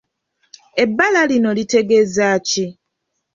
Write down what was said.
Ebbala lino litegeeza ki?